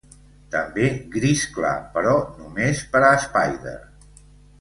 També gris clar, però només per a Spider.